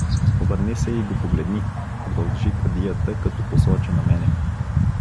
— Обърни се и го погледни — продължи кадията, като посочи на мене.